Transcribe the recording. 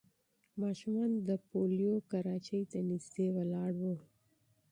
ماشومان د پولیو کراچۍ ته نږدې ولاړ وو.